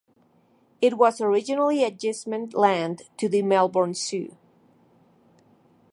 It was originally agistment land to the Melbourne Zoo.